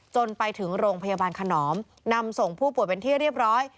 จนไปถึงโรงพยาบาลขนอมนำส่งผู้ป่วยเป็นที่เรียบร้อย